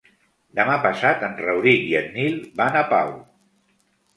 Demà passat en Rauric i en Nil van a Pau.